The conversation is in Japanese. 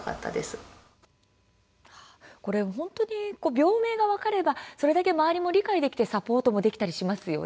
病名が分かればそれだけ周りも理解できてサポートできたりしますよね。